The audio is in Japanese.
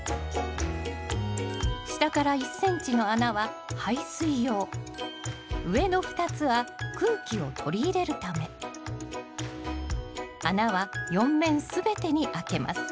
下から１ｃｍの穴は排水用上の２つは空気を取り入れるため穴は４面全てにあけます。